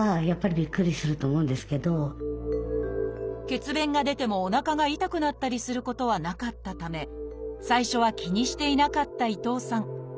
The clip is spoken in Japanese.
血便が出てもおなかが痛くなったりすることはなかったため最初は気にしていなかった伊藤さん。